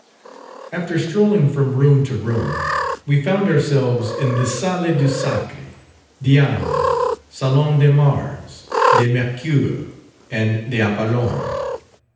After strolling from room to room, we found ourselves in the Salle du Sacre, Diane, Salon de Mars, de Mercure, and d'Apollon.